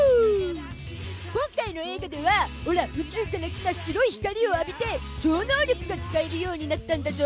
今回の映画ではオラ、宇宙から来た白い光を浴びて超能力が使えるようになったんだゾ！